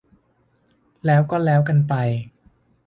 แล้วก็แล้วกันไป